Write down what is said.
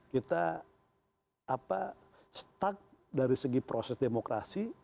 kita stuck dari segi proses demokrasi